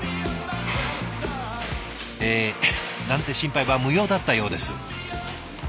えなんて心配は無用だったようです。